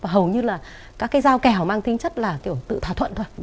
hầu như là các cái giao kèo mang tính chất là kiểu tự thỏa thuận thôi